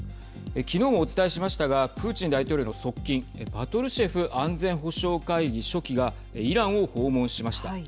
昨日もお伝えしましたがプーチン大統領の側近パトルシェフ安全保障会議書記がイランを訪問しました。